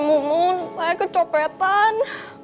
temu temu saya kecopetan